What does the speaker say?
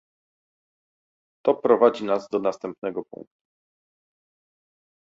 To prowadzi nas do następnego punktu